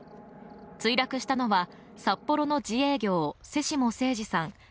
墜落したのは札幌の自営業瀬下征士さん